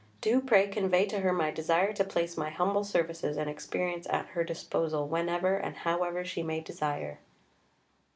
Do, pray, convey to her my desire to place my humble services and experience at her disposal whenever and however she may desire."